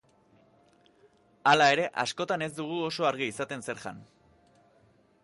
Hala ere, askotan ez dugu oso argi izaten zer jan.